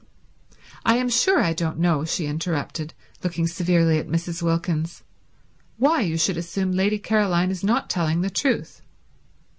"I am sure I don't know," she interrupted, looking severely at Mrs. Wilkins, "why you should assume Lady Caroline is not telling the truth."